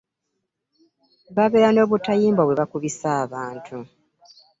Babeera n'obutayimbwa bwe bakubisa abantu.